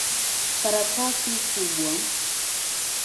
Karatasi kubwa.